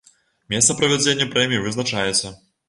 Месца правядзення прэміі вызначаецца.